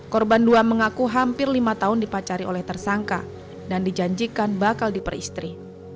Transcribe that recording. korban dua mengaku hampir lima tahun dipacari oleh tersangka dan dijanjikan bakal diperistri